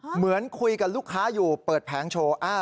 เหมือนคุยกับลูกค้าอยู่เปิดแผงโชว์